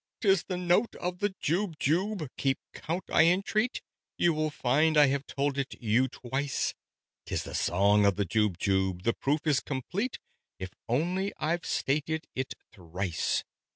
"'Tis the note of the Jubjub! Keep count, I entreat; You will find I have told it you twice. 'Tis the song of the Jubjub! The proof is complete, If only I've stated it thrice."